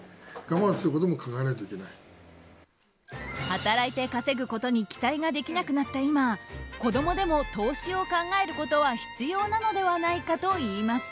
働いて稼ぐことに期待ができなくなった今子供でも投資を考えることは必要なのではないかといいます。